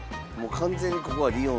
完全にここはリオン。